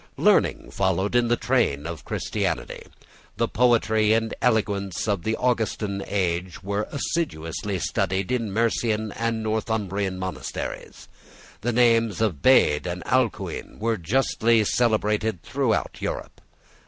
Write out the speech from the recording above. Learning followed in the train of Christianity. The poetry and eloquence of the Augustan age was assiduously studied in Mercian and Northumbrian monasteries. The names of Bede and Alcuin were justly celebrated throughout Europe.